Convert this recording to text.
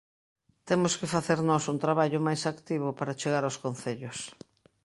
Temos que facer nós un traballo máis activo para chegar aos Concellos.